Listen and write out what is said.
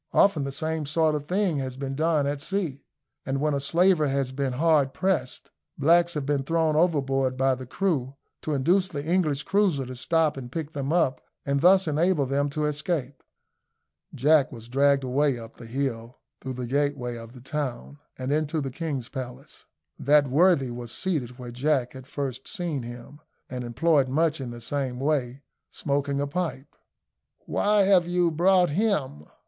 Often the same sort of thing has been done at sea, and when a slaver has been hard pressed, blacks have been thrown overboard by the crew, to induce the English cruiser to stop and pick them up, and thus enable them to escape. Jack was dragged away up the hill, through the gateway of the town, and into the king's palace. That worthy was seated where Jack had first seen him, and employed much in the same way smoking a pipe. "Why have you brought him?"